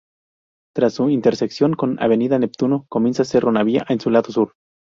Tras su intersección con Avenida Neptuno, comienza Cerro Navia en su lado sur.